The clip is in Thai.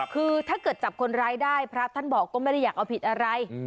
คือถ้าเกิดจับคนร้ายได้พระท่านบอกก็ไม่ได้อยากเอาผิดอะไร